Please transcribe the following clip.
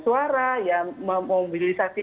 suara ya memobilisasi